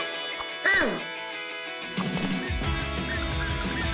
うん！